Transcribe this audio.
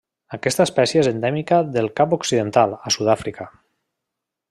Aquesta espècie és endèmica del Cap Occidental a Sud-àfrica.